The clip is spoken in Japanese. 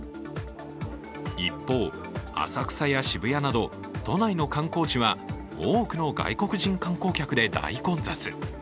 一方、浅草や渋谷など都内の観光地は多くの外国人観光客で大混雑。